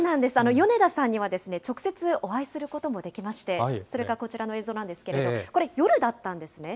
米田さんには直接、お会いすることもできまして、それがこちらの映像なんですけれども、これ、夜だったんですね。